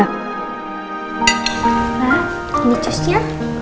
nah ini jusnya